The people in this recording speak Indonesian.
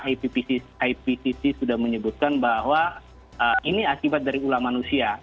ipcc sudah menyebutkan bahwa ini akibat dari ulah manusia